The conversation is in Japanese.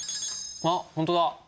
あっ本当だ！